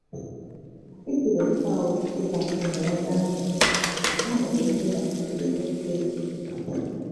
Katikkiro Charles Peter Mayiga yagambye nti Obuganda tebugenda kukkiriza kiteeso kino.